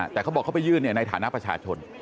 แต่เขาบอกเขาไปยื่นในฐานะประชาชน